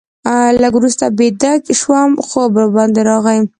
لږ وروسته بیده شوم، خوب ورباندې راغی.